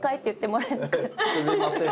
すみません。